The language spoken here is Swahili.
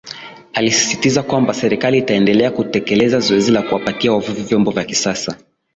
Alisisisitiza kwamba Serikali itaendelea kutekeleza zoezi la kuwapatia wavuvi vyombo vya kisasa